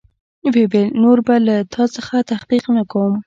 ويې ويل نور به له تا څخه تحقيق نه کوم.